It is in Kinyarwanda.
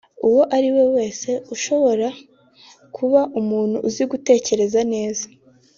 uwo uriwe wese ushobora kuba umuntu uzi gutekereza neza”